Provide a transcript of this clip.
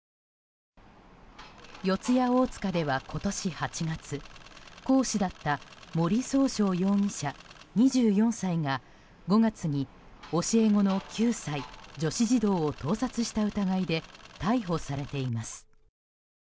四谷大塚では今年８月講師だった森崇翔容疑者、２４歳が５月に、教え子の９歳、女子児童を盗撮した疑いで逮捕されています。